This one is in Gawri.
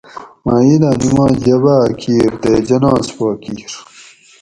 مہۤ عیداں نِماز جباۤ اۤ کِیر تے جناۤز پا کِیر